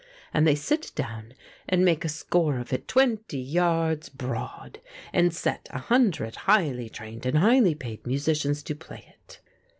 and they sit down and make a score of it twenty yards broad, and set a hundred highly trained and highly paid musicians to play it.